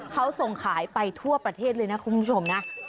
เขาส่งขายไปทั่วประเทศเลยนะคุณผู้ชมนะ